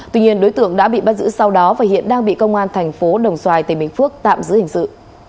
tuy nhiên đối tượng đã bị bắt giữ sau đó và hiện đang bị công an thành phố đồng xoài tỉnh bình phước tạm giữ hình sự